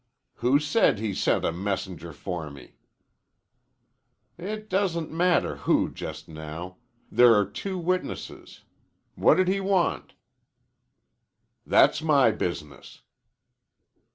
"Who said he sent a messenger for me?" "It doesn't matter who just now. There are two witnesses. What did he want?" "That's my business."